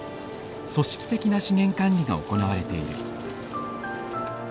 組織的な資源管理が行われている。